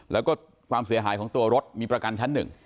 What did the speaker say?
แล้วก็ความเสียหายของตัวรถมีประกันชั้นหนึ่ง